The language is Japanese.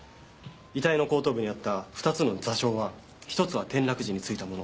遺体の後頭部にあった２つの挫傷は１つは転落時についたもの